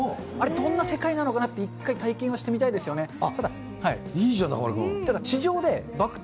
あれ、どんな世界なのかなって一回、体験はしてみたいですよね。